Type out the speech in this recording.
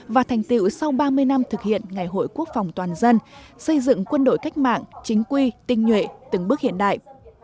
và thành tiệu sau ba mươi năm thực hiện ngày hội quốc phòng toàn dân xây dựng quân đội cách mạng chính quy tinh nhuệ từng bước hiện đại